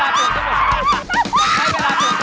องค์